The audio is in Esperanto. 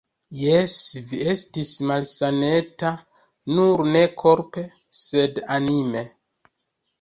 Jes, vi estis malsaneta, nur ne korpe, sed anime.